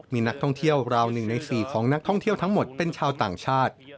มีนักท่องเที่ยวราว๑ใน๔ของนักท่องเที่ยวทั้งหมดเป็นชาวต่างชาติ